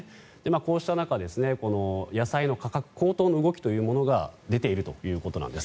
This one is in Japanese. こうした中野菜の価格高騰の動きが出ているということなんです。